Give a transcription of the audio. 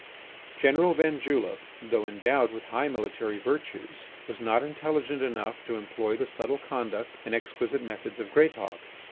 General van Julep, though endowed with high military virtues, was not intelligent enough to employ the subtle conduct and exquisite methods of Greatauk.